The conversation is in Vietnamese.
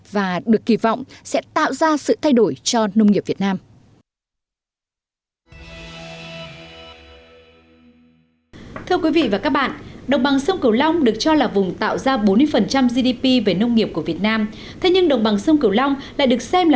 và được kỳ vọng sẽ tạo ra sự thay đổi cho nông nghiệp việt nam